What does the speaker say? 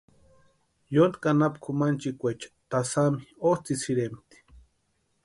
Yotki anapu kʼumanchikwaecha tasami otsʼïsïrempti.